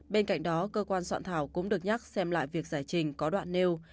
bên cạnh đó cơ quan soạn thảo cũng được nhắc xem lại việc giải trình có đoạn nêu